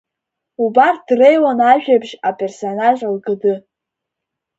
Убарҭ дреиуан ажәабжь аперсонаж Алгыды.